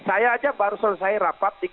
saya aja baru selesai rapat